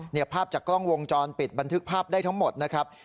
ภาพจากกล้องวงจรปิดบันทึกภาพได้ทั้งหมดนะครับ